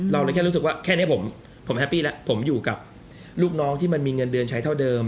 เราเลยแค่รู้สึกว่าแค่นี้ผมแฮปปี้แล้วผมอยู่กับลูกน้องที่มันมีเงินเดือนใช้เท่าเดิม